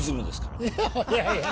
いやいや。